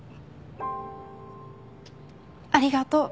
ありがとう。